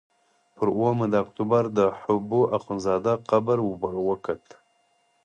پر اوومه د اکتوبر د حبو اخندزاده قبر وکت.